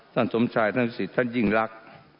ท่านสมชายท่านศิษย์ท่านยิ่งรัก